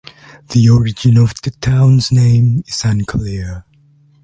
The origin of the town's name is unclear.